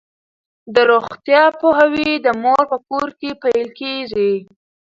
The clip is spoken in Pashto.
د روغتیا پوهاوی د مور په کور کې پیل کیږي.